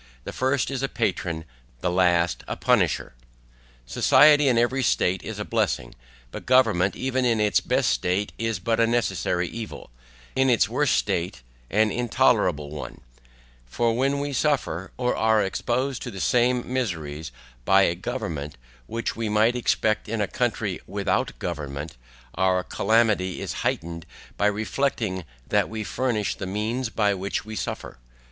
The first is a patron, the last a punisher. Society in every state is a blessing, but government even in its best state is but a necessary evil; in its worst state an intolerable one; for when we suffer, or are exposed to the same miseries BY A GOVERNMENT, which we might expect in a country WITHOUT GOVERNMENT, our calamity is heightened by reflecting that we furnish the means by which we suffer.